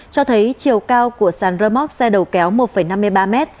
cho thấy chiều cao của sàn rơ móc xe đầu kéo một năm mươi ba m